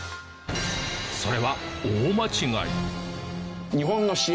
それは大間違い。